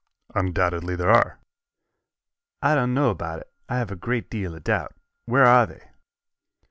"Undoubtedly there are." "I don't know about it. I have a great deal of doubt. Where are they?"